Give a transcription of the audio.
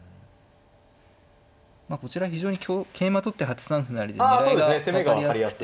まあこちら非常に桂馬取って８三歩成で狙いが分かりやすくて。